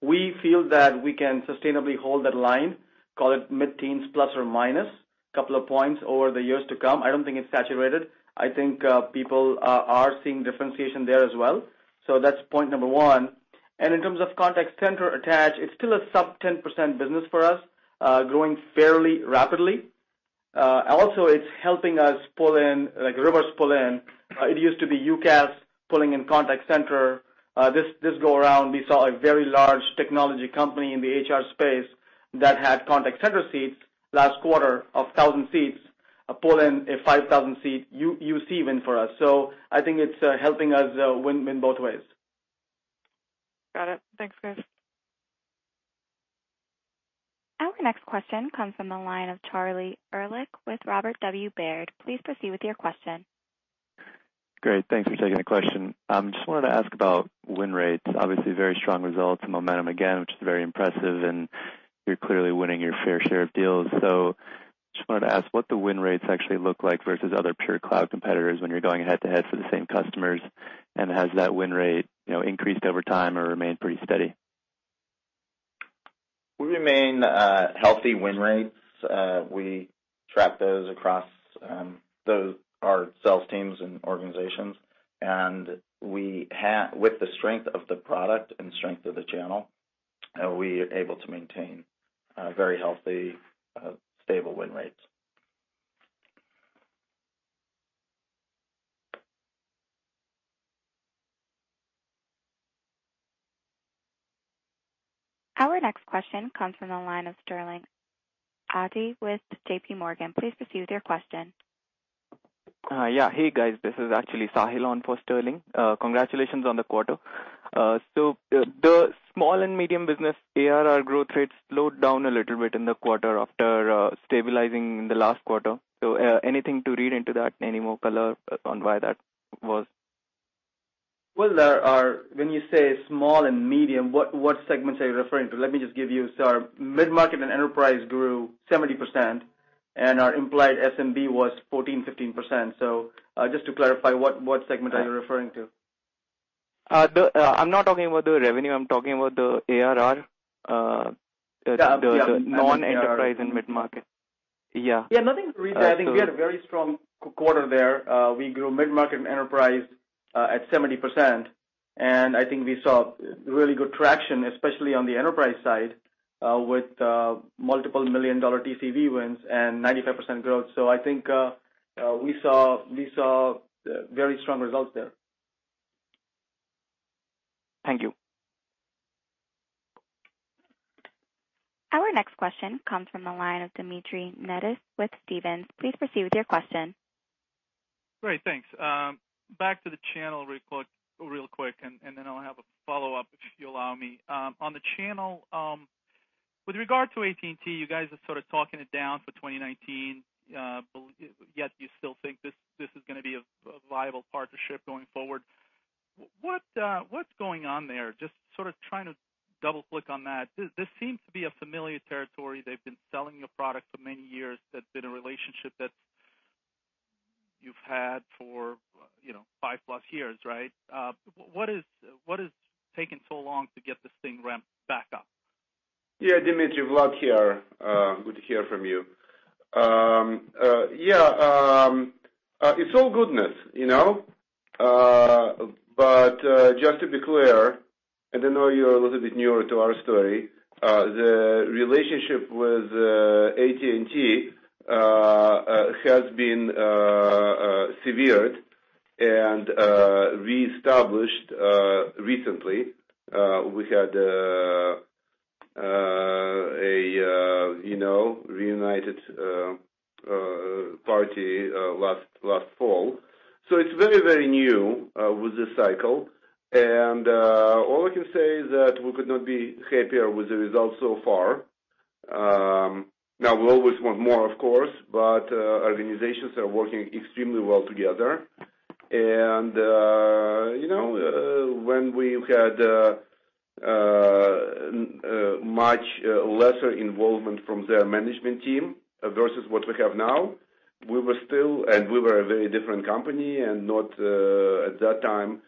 We feel that we can sustainably hold that line, call it mid-teens, plus or minus a couple of points over the years to come. I don't think it's saturated. I think people are seeing differentiation there as well. That's point number one. In terms of contact center attach, it's still a sub 10% business for us, growing fairly rapidly. Also, it's helping us pull in, like reverse pull in. It used to be UCaaS pulling in contact center. This go around, we saw a very large technology company in the HR space that had contact center seats last quarter of 1,000 seats pull in a 5,000-seat UC win for us. I think it's helping us win-win both ways. Got it. Thanks, guys. Our next question comes from the line of Charlie Ehrlich with Robert W. Baird. Please proceed with your question. Great. Thanks for taking the question. Just wanted to ask about win rates. Obviously, very strong results and momentum again, which is very impressive, and you're clearly winning your fair share of deals. Just wanted to ask what the win rates actually look like versus other pure cloud competitors when you're going head-to-head for the same customers, and has that win rate increased over time or remained pretty steady? We remain healthy win rates. We track those across our sales teams and organizations. With the strength of the product and strength of the channel, we are able to maintain very healthy, stable win rates. Our next question comes from the line of Sterling Auty with JP Morgan. Please proceed with your question. Hey, guys, this is actually Sahil on for Sterling. Congratulations on the quarter. The small and medium business ARR growth rate slowed down a little bit in the quarter after stabilizing in the last quarter. Anything to read into that? Any more color on why that was? Well, when you say small and medium, what segments are you referring to? Let me just give you. Our mid-market and enterprise grew 70%, and our implied SMB was 14%-15%. Just to clarify, what segment are you referring to? I'm not talking about the revenue. I'm talking about the ARR- Yeah. The non-enterprise and mid-market. Yeah. Yeah, nothing to read there. I think we had a very strong quarter there. We grew mid-market and enterprise at 70%, and I think we saw really good traction, especially on the enterprise side, with multiple million-dollar TCV wins and 95% growth. I think we saw very strong results there. Thank you. Our next question comes from the line of Dmitry Netis with Stephens. Please proceed with your question. Great, thanks. Back to the channel real quick, I'll have a follow-up, if you allow me. On the channelWith regard to AT&T, you guys are sort of talking it down for 2019, yet you still think this is going to be a viable partnership going forward. What's going on there? Just sort of trying to double-click on that. This seems to be a familiar territory. They've been selling a product for many years. That's been a relationship that you've had for five-plus years, right? What is taking so long to get this thing ramped back up? Yeah, Dmitry, Vlad here. Good to hear from you. Yeah, it's all goodness. Just to be clear, and I know you're a little bit newer to our story, the relationship with AT&T has been severed and reestablished recently. We had a reunited party last fall. It's very, very new with this cycle. All I can say is that we could not be happier with the results so far. Now we always want more, of course, but organizations are working extremely well together. When we had much lesser involvement from their management team versus what we have now, we were still, and we were a very different company and not, at that time,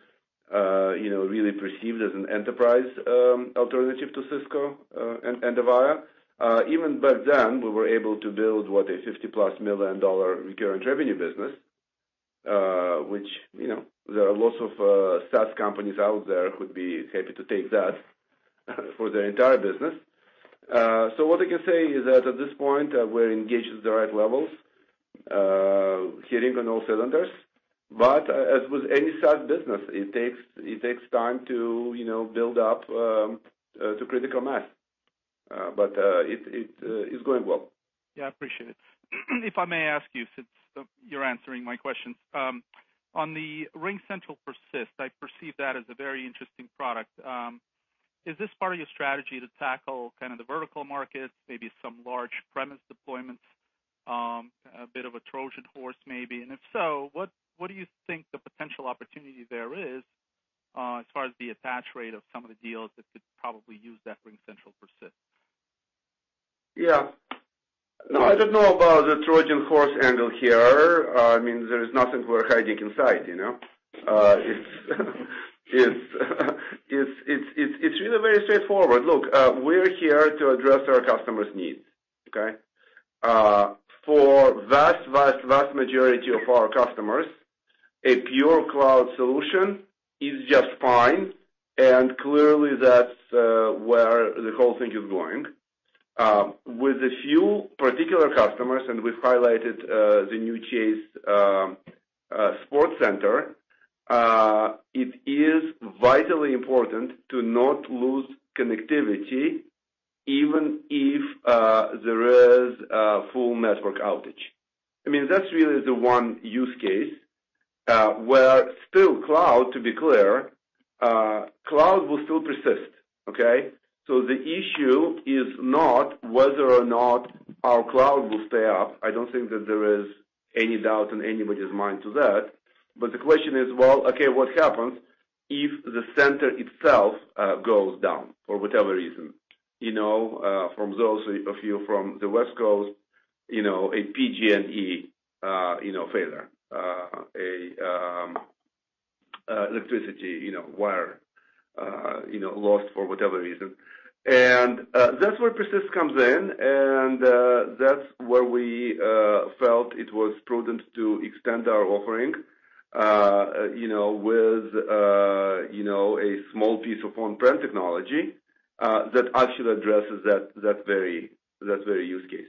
really perceived as an enterprise alternative to Cisco and Avaya. Even back then, we were able to build what a $50-plus million recurring revenue business, which there are lots of SaaS companies out there who'd be happy to take that for their entire business. What I can say is that at this point, we're engaged at the right levels, hitting on all cylinders. As with any SaaS business, it takes time to build up to critical mass. It's going well. Yeah, appreciate it. If I may ask you, since you're answering my questions. On the RingCentral Persist, I perceive that as a very interesting product. Is this part of your strategy to tackle kind of the vertical markets, maybe some large premise deployments, a bit of a Trojan horse, maybe? If so, what do you think the potential opportunity there is, as far as the attach rate of some of the deals that could probably use that RingCentral Persist? Yeah. No, I don't know about the Trojan horse angle here. There is nothing we're hiding inside. It's really very straightforward. Look, we're here to address our customers' needs, okay? For vast majority of our customers, a pure cloud solution is just fine, and clearly, that's where the whole thing is going. With a few particular customers, and we've highlighted the new Chase Center, it is vitally important to not lose connectivity, even if there is a full network outage. That's really the one use case where still cloud, to be clear, cloud will still persist. Okay? The issue is not whether or not our cloud will stay up. I don't think that there is any doubt in anybody's mind to that. The question is, well, okay, what happens if the center itself goes down for whatever reason? From those of you from the West Coast, a PG&E failure, electricity wire loss for whatever reason. That's where Persist comes in, and that's where we felt it was prudent to extend our offering with a small piece of on-prem technology that actually addresses that very use case.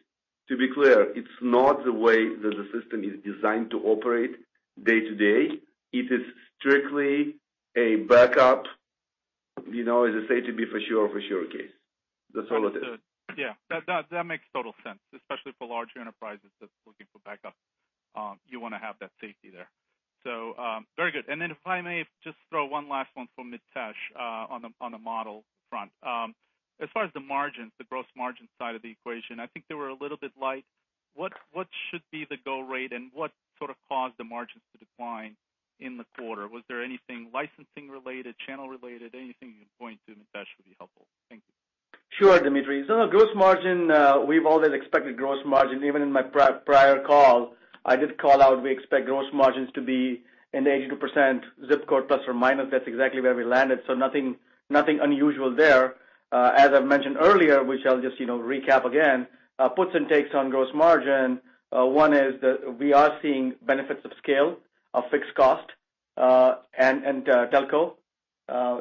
To be clear, it's not the way that the system is designed to operate day to day. It is strictly a backup, as I say, to be for sure case. That's all it is. Yeah. That makes total sense, especially for larger enterprises that's looking for backup. You want to have that safety there. Very good. Then if I may just throw one last one for Mitesh on the model front. As far as the margins, the gross margin side of the equation, I think they were a little bit light. What should be the go rate and what sort of caused the margins to decline in the quarter? Was there anything licensing related, channel related, anything you can point to, Mitesh, would be helpful. Thank you. Sure, Dmitry. The gross margin, we've always expected gross margin, even in my prior call, I did call out we expect gross margins to be in the 82% zip code, plus or minus. That's exactly where we landed. Nothing unusual there. As I've mentioned earlier, which I'll just recap again, puts and takes on gross margin. One is that we are seeing benefits of scale of fixed cost, and telco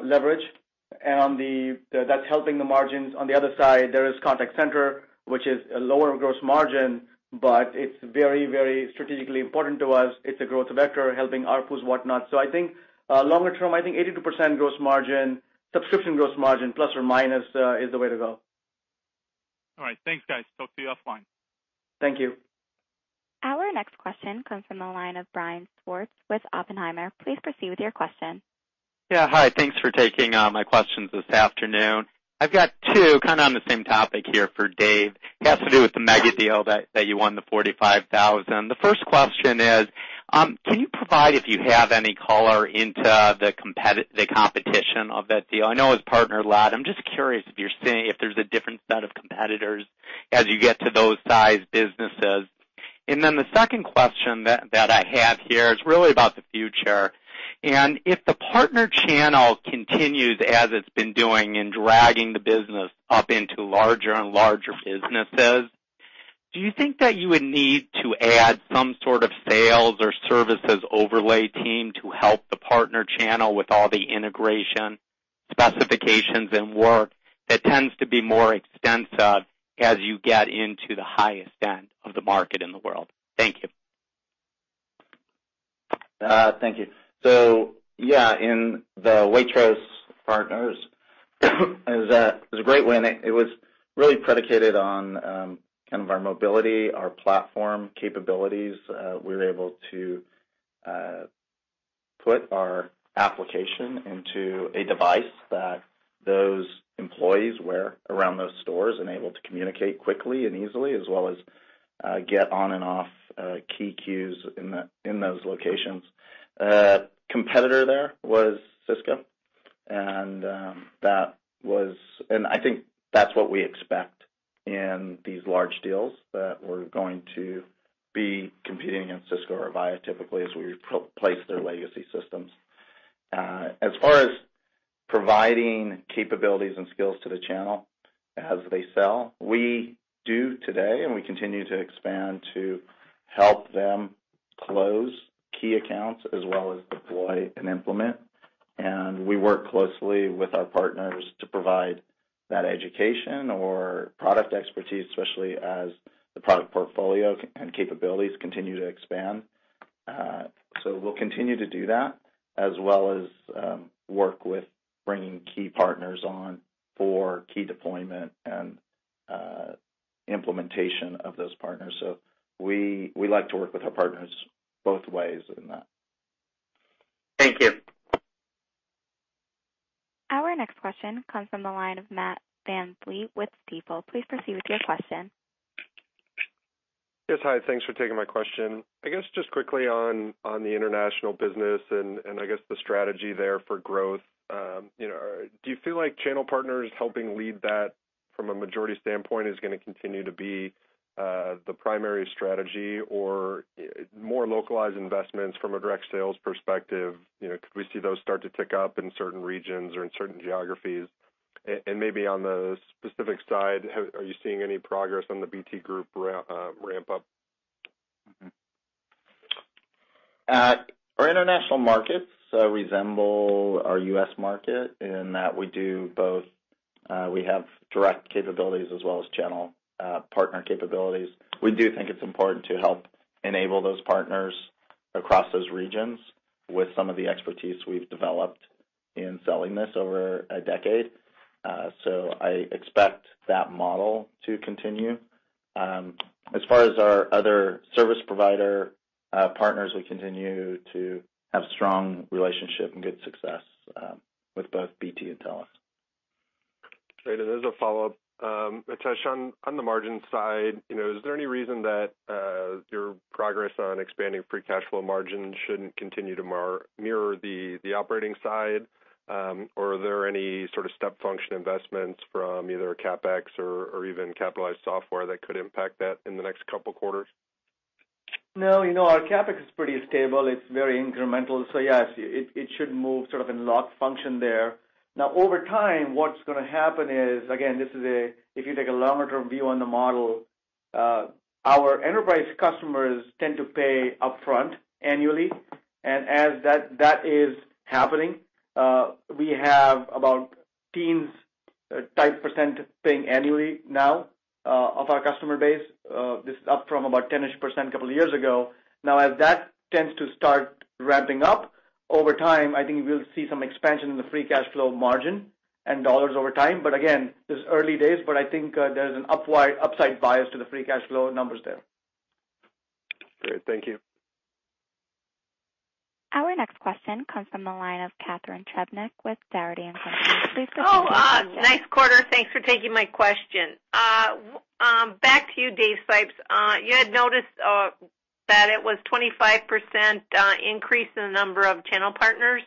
leverage, and that's helping the margins. On the other side, there is contact center, which is a lower gross margin, but it's very strategically important to us. It's a growth vector helping ARPU whatnot. I think longer term, I think 82% gross margin, subscription gross margin, plus or minus, is the way to go. All right. Thanks, guys. Talk to you offline. Thank you. Our next question comes from the line of Brian Schwartz with Oppenheimer. Please proceed with your question. Hi. Thanks for taking my questions this afternoon. I've got two, kind of on the same topic here for Dave. It has to do with the mega deal that you won, the 45,000. The first question is, can you provide, if you have any color into the competition of that deal? I know it's partner-led. I'm just curious if there's a different set of competitors as you get to those size businesses. The second question that I have here is really about the future, if the partner channel continues as it's been doing in dragging the business up into larger and larger businesses, do you think that you would need to add some sort of sales or services overlay team to help the partner channel with all the integration specifications and work that tends to be more extensive as you get into the highest end of the market in the world? Thank you. Thank you. Yeah, in the Waitrose & Partners, it was a great win. It was really predicated on kind of our mobility, our platform capabilities. We were able to put our application into a device that those employees wear around those stores and able to communicate quickly and easily as well as get on and off key queues in those locations. Competitor there was Cisco. I think that's what we expect in these large deals, that we're going to be competing against Cisco or Avaya typically as we replace their legacy systems. As far as providing capabilities and skills to the channel as they sell, we do today, and we continue to expand to help them close key accounts as well as deploy and implement. We work closely with our partners to provide that education or product expertise, especially as the product portfolio and capabilities continue to expand. We'll continue to do that as well as work with bringing key partners on for key deployment and implementation of those partners. We like to work with our partners both ways in that. Thank you. Our next question comes from the line of Matt VanVliet with Stifel. Please proceed with your question. Yes, hi. Thanks for taking my question. I guess just quickly on the international business and I guess the strategy there for growth. Do you feel like channel partners helping lead that from a majority standpoint is going to continue to be the primary strategy or more localized investments from a direct sales perspective? Could we see those start to tick up in certain regions or in certain geographies? Maybe on the specific side, are you seeing any progress on the BT Group ramp up? Our international markets resemble our U.S. market in that we do both. We have direct capabilities as well as channel partner capabilities. We do think it's important to help enable those partners across those regions with some of the expertise we've developed in selling this over a decade. I expect that model to continue. As far as our other service provider partners, we continue to have strong relationship and good success with both BT and Telus. Great. As a follow-up, Mitesh, on the margin side, is there any reason that your progress on expanding free cash flow margins shouldn't continue to mirror the operating side? Are there any sort of step function investments from either CapEx or even capitalized software that could impact that in the next couple quarters? No, our CapEx is pretty stable. It's very incremental. Yes, it should move sort of in lock function there. Over time, what's going to happen is, again, if you take a longer-term view on the model, our enterprise customers tend to pay upfront annually. As that is happening, we have about teens type percent paying annually now, of our customer base. This is up from about ten-ish percent a couple of years ago. As that tends to start ramping up, over time, I think we'll see some expansion in the free cash flow margin and dollars over time. Again, this is early days, but I think there's an upside bias to the free cash flow numbers there. Great. Thank you. Our next question comes from the line of Catharine Trebnick with Dougherty & Company. Please proceed with your question. Nice quarter. Thanks for taking my question. Back to you, David Sipes. You had noticed that it was 25% increase in the number of channel partners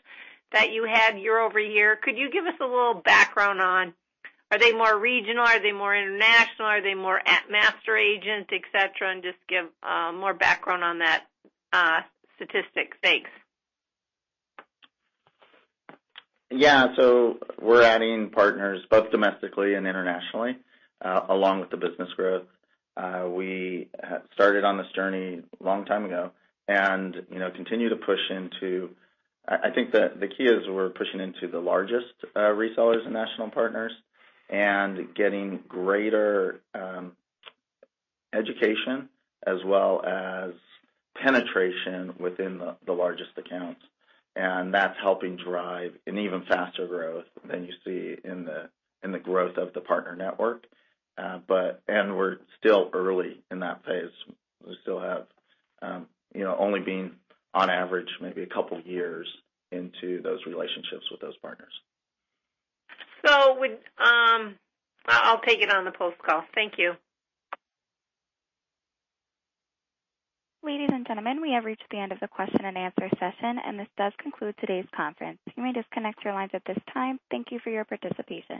that you had year-over-year. Could you give us a little background on, are they more regional? Are they more international? Are they more at master agent, et cetera? Just give more background on that statistic. Thanks. We're adding partners both domestically and internationally, along with the business growth. We started on this journey long time ago and continue to push into. I think that the key is we're pushing into the largest resellers and national partners and getting greater education as well as penetration within the largest accounts. That's helping drive an even faster growth than you see in the growth of the partner network. We're still early in that phase. We still have only been on average maybe a couple years into those relationships with those partners. I'll take it on the post call. Thank you. Ladies and gentlemen, we have reached the end of the question and answer session, and this does conclude today's conference. You may disconnect your lines at this time. Thank you for your participation.